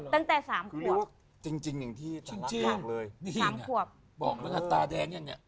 ตั้งแต่เด็กน้อยอ่ะหรือตั้งแต่๓ควบ